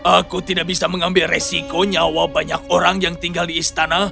aku tidak bisa mengambil resiko nyawa banyak orang yang tinggal di istana